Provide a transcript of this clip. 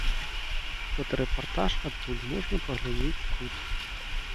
Фотарэпартаж адтуль можна паглядзець тут.